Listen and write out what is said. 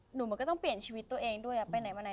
หนูมันก็ต้องเปลี่ยนชีวิตตัวเองด้วยไปไหนมาไหน